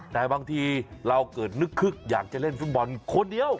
แต่บางทีเราเกิดนึกคึกอยากจะเล่นฟุตบอลคนเดียว